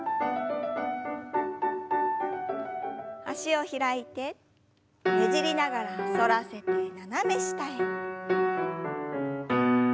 脚を開いてねじりながら反らせて斜め下へ。